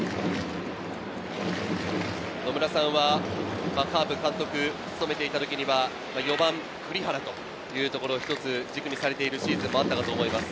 野村さんはカープの監督を務めていたときには、４番・栗原というところ一つ軸にされているシーズンもあったかと思います。